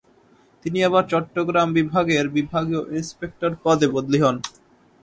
তিনি আবার চট্টগ্রাম বিভাগের বিভাগীয় ইন্সপেক্টর পদে বদলী হন।